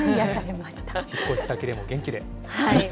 引っ越し先でも元気で。